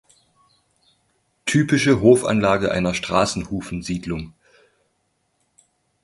Typische Hofanlage einer Straßenhufensiedlung.